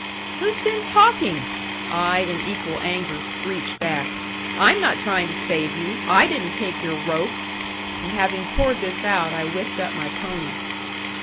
"Who's been talking?" I in equal anger screeched back. "I'm not trying to save you. I didn't take your rope." And having poured this out, I whipped up my pony.